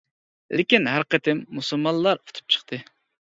لېكىن ھەر قېتىم مۇسۇلمانلار ئۇتۇپ چىقتى.